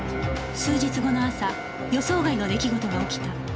数日後の朝予想外の出来事が起きた